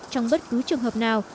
trong bất cứ trường hợp nào